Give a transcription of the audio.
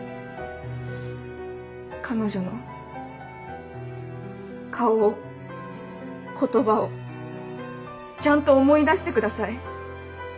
彼女の顔を言葉をちゃんと思い出してください。